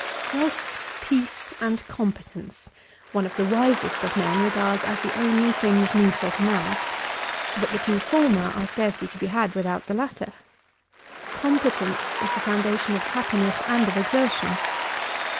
"Health, peace, and competence," one of the wisest of men regards as the only things needful to man: but the two former are scarcely to be had without the latter. Competence is the foundation of happiness and of exertion.